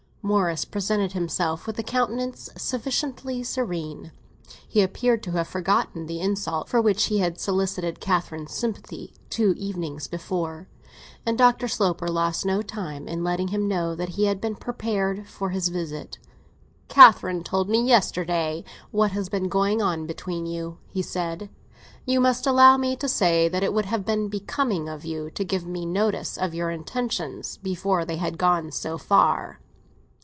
Morris presented himself with a countenance sufficiently serene—he appeared to have forgotten the "insult" for which he had solicited Catherine's sympathy two evenings before, and Dr. Sloper lost no time in letting him know that he had been prepared for his visit. "Catherine told me yesterday what has been going on between you," he said. "You must allow me to say that it would have been becoming of you to give me notice of your intentions before they had gone so far."